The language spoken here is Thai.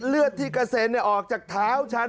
เรนนี่อยากบังคับ